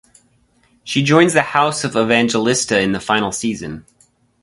She joins the House of Evangelista in the final season.